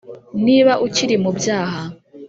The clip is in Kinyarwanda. niba ukiri mu byaha